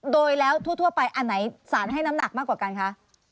โดยแล้วทั่วไปอันไหนสารให้น้ำหนักมากกว่ากันคะ